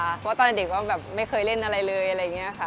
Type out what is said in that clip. เพราะว่าตอนเด็กก็แบบไม่เคยเล่นอะไรเลยอะไรอย่างนี้ค่ะ